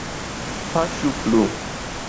Paŝu plu!